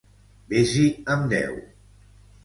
Vés-hi amb deu!